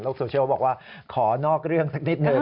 โซเชียลบอกว่าขอนอกเรื่องสักนิดหนึ่ง